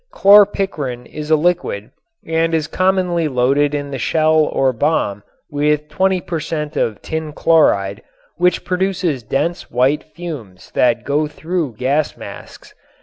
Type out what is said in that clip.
Chlorpicrin is a liquid and is commonly loaded in a shell or bomb with 20 per cent. of tin chloride, which produces dense white fumes that go through gas masks.